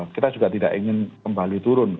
kita juga tidak ingin kembali turun